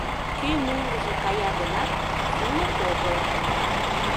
Кӧ мӧҥгыжӧ кая гынат, сулык огыл.